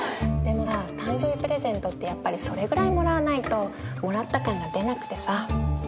でもさ誕生日プレゼントってやっぱりそれぐらいもらわないともらった感が出なくてさ。